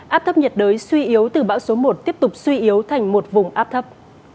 áp thấp nhiệt đới suy yếu từ bão số một tiếp tục suy yếu thành một vùng áp thấp